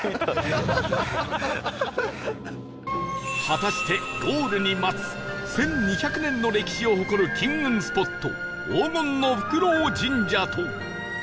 果たしてゴールに待つ１２００年の歴史を誇る金運スポット黄金のフクロウ神社と